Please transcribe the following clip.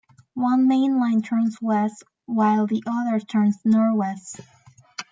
One mainline turns west, while the other turns northwest.